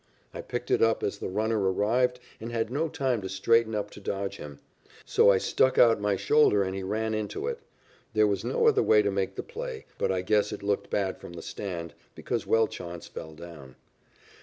I picked it up as the runner arrived and had no time to straighten up to dodge him. So I struck out my shoulder and he ran into it. There was no other way to make the play, but I guess it looked bad from the stand, because Welchonce fell down.